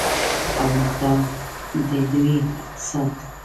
او دا دی د دوی اقتصاد.